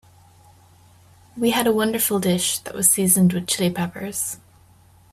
We had a wonderful dish that was seasoned with Chili Peppers.